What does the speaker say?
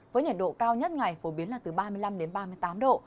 với nhiệt độ cao nhất ngày phổ biến là từ ba mươi năm đến ba mươi tám độ